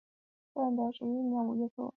正德十一年五月卒。